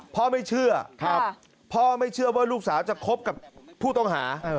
พ่อไม่เชื่อพ่อไม่เชื่อว่าลูกสาวจะคบกับผู้ต้องหา